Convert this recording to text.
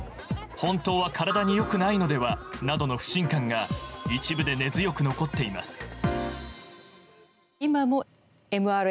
本当は体に良くないのではなどの不信感が一部で根強く残っています。